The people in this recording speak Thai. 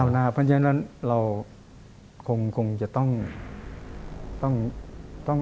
เพราะฉะนั้นเราคงจะต้อง